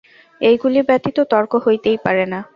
এইগুলি ব্যতীত তর্ক হইতেই পারে না।